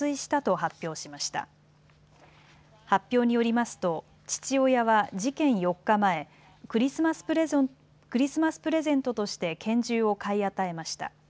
発表によりますと父親は事件４日前、クリスマスプレゼントとして拳銃を買い与えました。